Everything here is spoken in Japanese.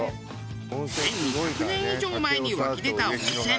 １２００年以上前に湧き出た温泉。